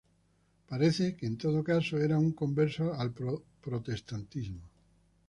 Parece que, en todo caso, era un converso al protestantismo.